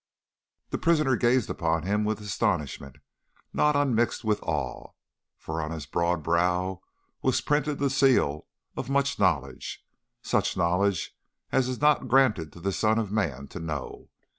The prisoner gazed upon him with astonishment not unmixed with awe, for on his broad brow was printed the seal of much knowledge such knowledge as it is not granted to the son of man to know.